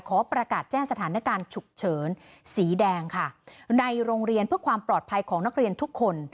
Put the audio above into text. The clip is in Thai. ขอประกาศแจ้งสถานการณ์ฉุกเฉินสีแดงค่ะในโรงเรียนเพื่อความปลอดภัยของนักเรียนทุกคน